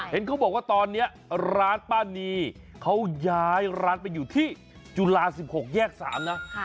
เห็นเขาบอกว่าตอนนี้ร้านป้านีเขาย้ายร้านไปอยู่ที่จุฬา๑๖แยก๓นะ